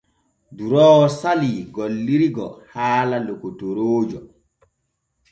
Duroowo salii gillirgo haala lokotoroojo.